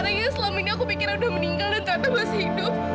karena selama ini aku pikirnya udah meninggal dan ternyata masih hidup